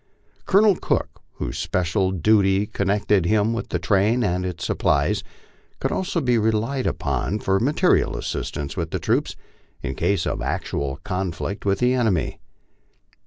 Colonel Cook, whose special duty con nected him with the train and its supplies, could also be relied upon for ma terial assistance with the troops, in case of actual conflict with the enemy.